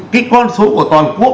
cái con số của toàn quốc